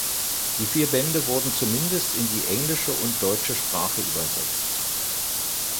Die vier Bände wurden zumindest in die englische und deutsche Sprache übersetzt.